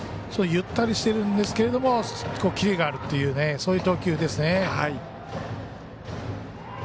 ゆったりしているんですけどキレがあるというそういう投球ですね。